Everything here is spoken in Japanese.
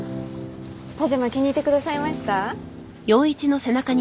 パジャマ気に入ってくださいました？